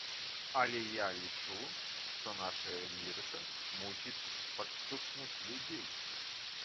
Але я лічу, што нашая лірыка мусіць падштурхнуць людзей.